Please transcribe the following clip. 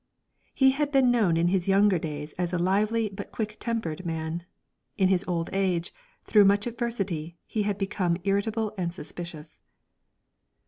He had been known in his younger days as a lively but quick tempered man; in his old age, through much adversity, he had become irritable and suspicious.